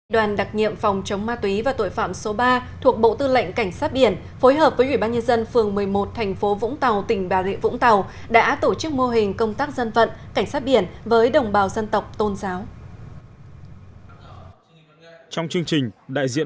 đoàn đặc nhiệm phòng chống ma túy và tội phạm số ba thuộc bộ tư lệnh cảnh sát biển phối hợp với ủy ban nhân dân phường một mươi một thành phố vũng tàu tỉnh bà rịa vũng tàu đã tổ chức mô hình công tác dân vận cảnh sát biển với đồng bào dân tộc tôn giáo